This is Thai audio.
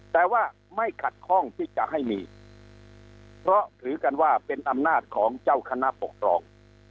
แต่ว่าไม่ขัดข้องที่จะให้มีเพราะถือกันว่าเป็นอำนาจของเจ้าคณะปกครอง